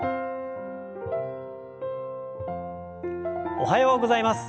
おはようございます。